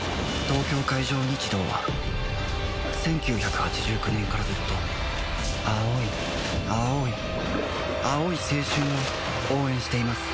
東京海上日動は１９８９年からずっと青い青い青い青春を応援しています